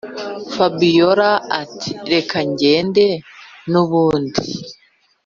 fabiora ati”reka ngende nubundi